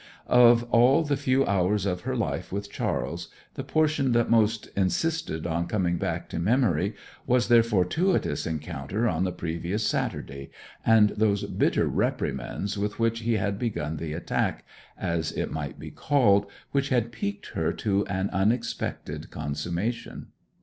Of all the few hours of her life with Charles, the portion that most insisted in coming back to memory was their fortuitous encounter on the previous Saturday, and those bitter reprimands with which he had begun the attack, as it might be called, which had piqued her to an unexpected consummation.